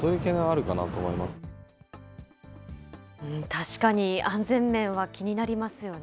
確かに、安全面は気になりますよね。